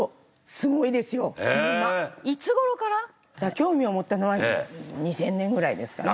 興味を持ったのは２０００年ぐらいですかね。